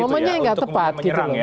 momennya nggak tepat gitu loh